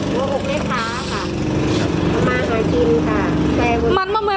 โพลงไม่ขาค่ะประมาณหน่อยจิ้นค่ะใช่